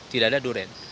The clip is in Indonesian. tidak ada duren